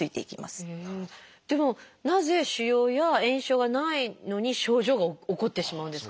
でもなぜ腫瘍や炎症がないのに症状が起こってしまうんですかね？